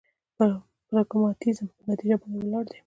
پراګماتيزم په نتيجه باندې ولاړ دی.